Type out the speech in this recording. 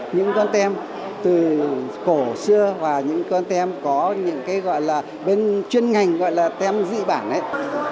những con tem từ cổ xưa và những con tem có những cái gọi là bên chuyên ngành gọi là tem dị bản ấy